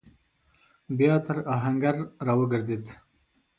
بيا تر آهنګر راوګرځېد.